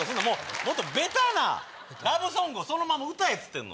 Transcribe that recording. もっとベタなラブソングをそのまま歌えっつってんの。